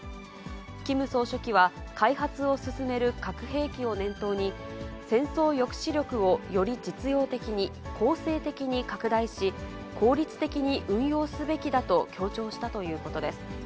キム総書記は、開発を進める核兵器を念頭に、戦争抑止力をより実用的に攻勢的に拡大し、効率的に運用すべきだと強調したということです。